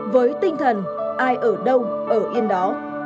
với tinh thần ai ở đâu ở yên đó